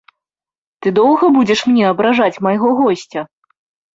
Ты доўга будзеш мне абражаць майго госця?